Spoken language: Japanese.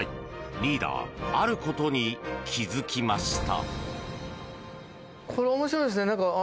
リーダーあることに気付きました。